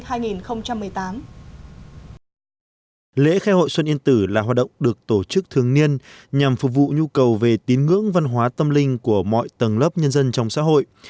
lễ khai hội xuân yên tử là hoạt động được tổ chức thường niên nhằm phục vụ nhu cầu về tín ngưỡng văn hóa tâm linh của mọi tầng lớp nhân dân trong xã hội